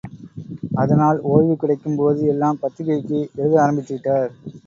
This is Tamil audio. அதனால் ஓய்வு கிடைக்கும் போது எல்லாம் பத்திரிகைக்கு எழுத ஆரம்பித்து விட்டார்.